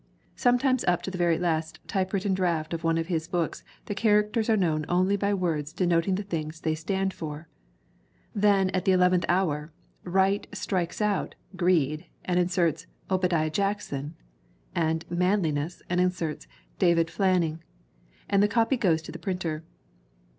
Sometimes up to the very last typewritten draft of one of his books the characters are known only by words denoting the things they stand for. Then, at the eleventh hour, Wright strikes out "Greed" and inserts "Obadiah Jackson" and "Manliness" and in serts "David Fanning" and the copy goes to the printer.